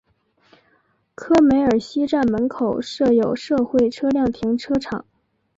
科梅尔西站门口设有社会车辆停车场。